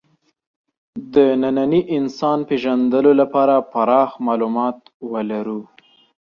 د ننني انسان پېژندلو لپاره پراخ معلومات ولرو.